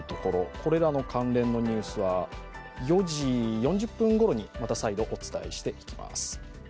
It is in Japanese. これらの関連のニュースは４時４０分ごろに再度お伝えしていきます。